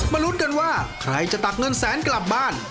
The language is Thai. ลุ้นกันว่าใครจะตักเงินแสนกลับบ้าน